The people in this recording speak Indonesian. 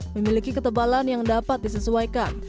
memiliki ketebalan yang dapat disesuaikan